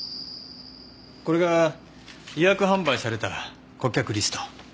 これが予約販売された顧客リスト。